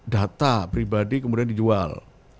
data pribadi kemudian dijual